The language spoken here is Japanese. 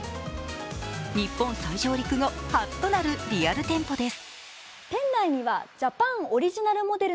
日本再上陸後、初となるリアル店舗です。